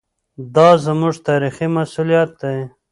دا زموږ تاریخي مسوولیت دی.